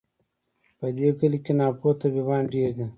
په دې کلي کي ناپوه طبیبان ډیر دي